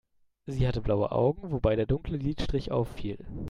Sie hatte blaue Augen, wobei der dunkle Lidstrich auffiel.